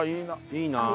いいなあ。